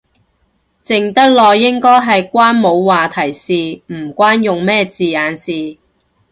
靜得耐應該係關冇話題事，唔關用咩字眼事